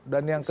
dan yang ke dua